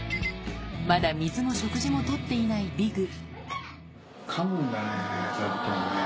まだ水も食事も取っていないビグ。